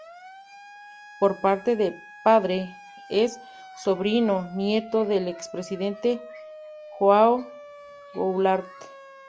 Por parte de padre, es sobrino-nieto del expresidente João Goulart.